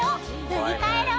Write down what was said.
［振り返ろう！］